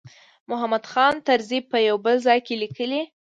محمود خان طرزي په یو بل ځای کې لیکلي.